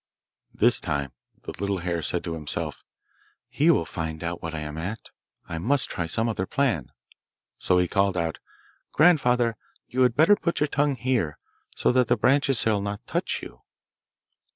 This time the little hare said to himself, 'He will find out what I am at. I must try some other plan. 'So he called out, 'Grandfather, you had better put your tongue here, so that the branches shall not touch you.